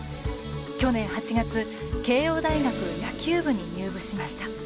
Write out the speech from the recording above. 去年８月、慶應大学野球部に入部しました。